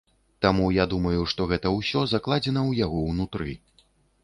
Таму я думаю, што гэта ўсё закладзена ў яго ўнутры.